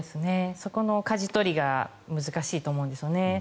そこのかじ取りが難しいと思うんですよね。